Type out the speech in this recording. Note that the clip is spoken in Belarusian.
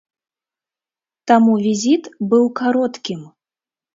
Таму візіт быў кароткім.